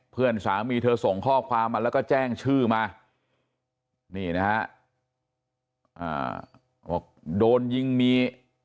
เพื่อนสามีเธอส่งข้อความมาแล้วก็แจ้งชื่อมานี่นะฮะบอกโดนยิงมี